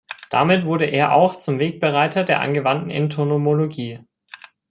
Damit wurde er auch zum Wegbereiter der angewandten Entomologie.